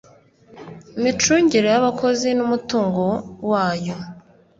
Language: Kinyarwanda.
micungire y abakozi n umutungo wayo